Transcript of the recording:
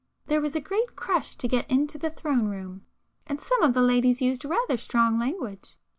There was a great crush to get into the Throne Room; and some of the ladies used rather strong language.